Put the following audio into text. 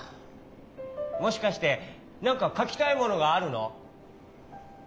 もしかしてなんかかきたいものがあるの？